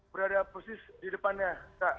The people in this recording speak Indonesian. berada posisi di depannya kak